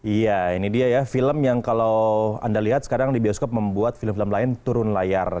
iya ini dia ya film yang kalau anda lihat sekarang di bioskop membuat film film lain turun layar